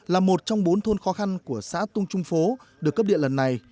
là một trong bốn thôn khó khăn của xã tung trung phố được cấp điện lần này